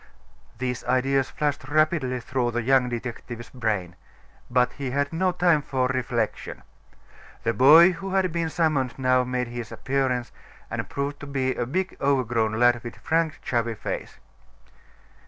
These ideas flashed rapidly through the young detective's brain. But he had no time for reflection. The boy who had been summoned now made his appearance, and proved to be a big overgrown lad with frank, chubby face.